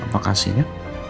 terima kasih ya